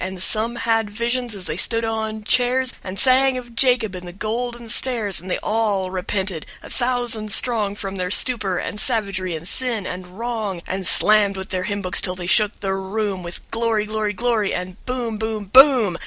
And some had visions, as they stood on chairs, And sang of Jacob, and the golden stairs, And they all repented, a thousand strong From their stupor and savagery and sin and wrong And slammed with their hymn books till they shook the room With "glory, glory, glory," And "Boom, boom, BOOM."